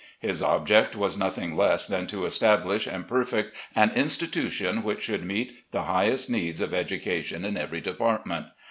His object was nothing less than to establish and perfect an institution which should meet the highest needs of education in every department.